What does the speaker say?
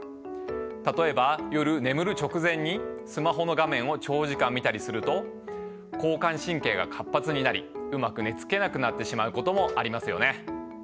例えば夜眠る直前にスマホの画面を長時間見たりすると交感神経が活発になりうまく寝つけなくなってしまうこともありますよね。